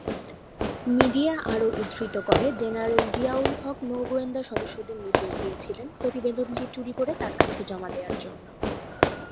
Media আরও উদ্ধৃত করে, জেনারেল জিয়া-উল-হক নৌ গোয়েন্দা সদস্যদের নির্দেশ দিয়েছিলেন প্রতিবেদনটি চুরি করে তার কাছে জমা দেয়ার জন্য।